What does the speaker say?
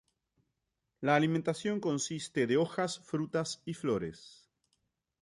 La alimentación consiste de hojas, frutas y flores.